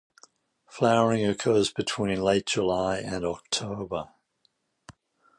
Flowering occurs between late July and October.